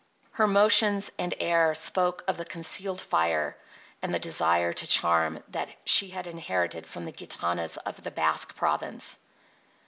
Her motions and air spoke of the concealed fire and the desire to charm that she had inherited from the gitanas of the Basque province.